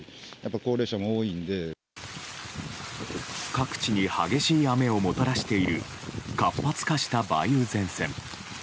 各地に激しい雨をもたらしている活発化した梅雨前線。